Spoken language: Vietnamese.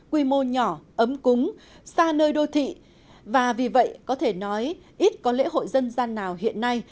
quy mô nhỏ ấm cúng xa nơi đô thị và vì vậy có thể nói ít có lễ hội dân gian nào hiện nay